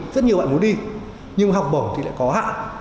rất nhiều bạn muốn đi nhưng học bổng thì lại có hạn